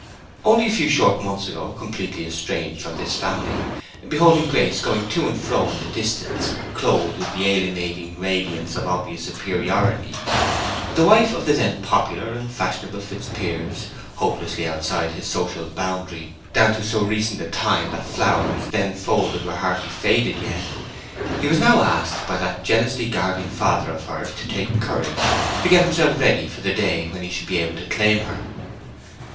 Only a few short months ago completely estranged from this family—beholding Grace going to and fro in the distance, clothed with the alienating radiance of obvious superiority, the wife of the then popular and fashionable Fitzpiers, hopelessly outside his social boundary down to so recent a time that flowers then folded were hardly faded yet—he was now asked by that jealously guarding father of hers to take courage—to get himself ready for the day when he should be able to claim her.